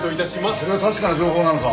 それは確かな情報なのか？